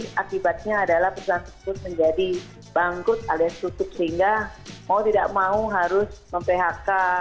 dan juga sebabnya adalah perusahaan tersebut menjadi bangkut alias tutup sehingga mau tidak mau harus memphk